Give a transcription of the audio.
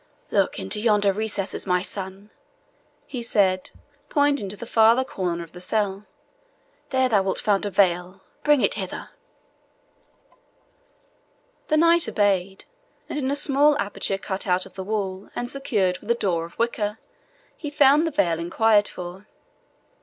"Look into yonder recess, my son," he said, pointing to the farther corner of the cell; "there thou wilt find a veil bring it hither." The knight obeyed, and in a small aperture cut out of the wall, and secured with a door of wicker, he found the veil inquired for.